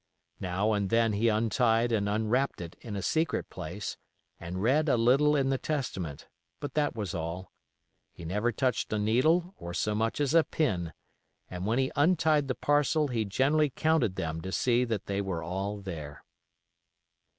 Now and then he untied and unwrapped it in a secret place and read a little in the Testament, but that was all. He never touched a needle or so much as a pin, and when he untied the parcel he generally counted them to see that they were all there.